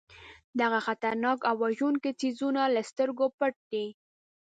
دغه خطرناک او وژونکي څیزونه له سترګو پټ دي.